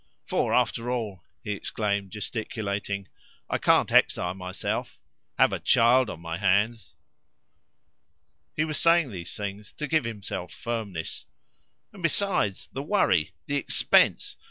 "For, after all," he exclaimed, gesticulating, "I can't exile myself have a child on my hands." He was saying these things to give himself firmness. "And besides, the worry, the expense!